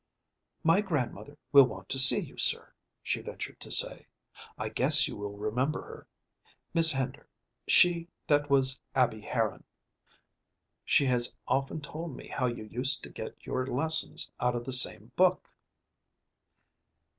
"My grandmother will want to see you, sir," she ventured to say. "I guess you will remember her, Mis' Hender, she that was Abby Harran. She has often told me how you used to get your lessons out o' the same book."